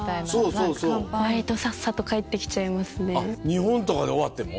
日本とかで終わっても？